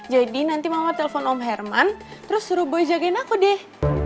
jadi nanti mama telpon om herman terus suruh boy jagain aku deh